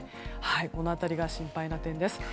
この辺りが心配な点です。